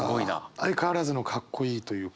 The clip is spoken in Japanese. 相変わらずのかっこいいというか。